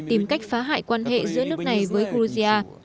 tìm cách phá hại quan hệ giữa nước này với georgia